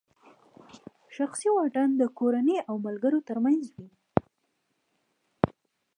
شخصي واټن د کورنۍ او ملګرو ترمنځ وي.